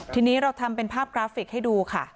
ทีนี้เราทำเป็นภาพกราฟิกให้ดูค่ะ